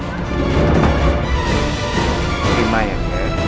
terima ya kakek